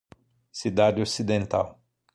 Cidade Ocidental